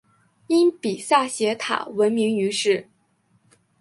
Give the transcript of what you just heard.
因比萨斜塔闻名于世。